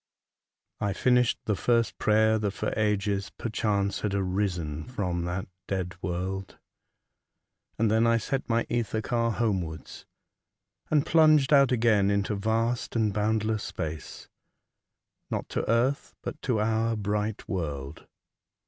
I FINISHED the first prayer that for ages, perchance, had arisen from that dead world, and then I set my ether car homewards, and plunged out again into vast and boundless space, not to earth, but to our bright world.